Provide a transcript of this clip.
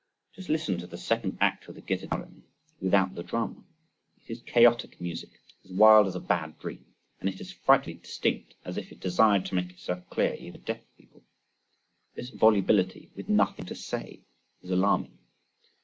Just listen to the second act of the "Götterdämmerung," without the drama. It is chaotic music, as wild as a bad dream, and it is as frightfully distinct as if it desired to make itself clear even to deaf people. This volubility with nothing to say is alarming.